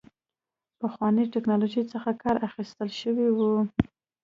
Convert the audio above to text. پخوانۍ ټکنالوژۍ څخه کار اخیستل شوی و.